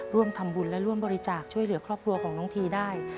ร่วมทำบุญและร่วมบริจาคช่วยเหลือครอบครัวของน้องทีได้